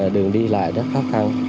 đường đi lại rất khó khăn